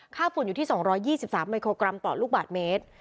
ฝุ่นอยู่ที่๒๒๓มิโครกรัมต่อลูกบาทเมตร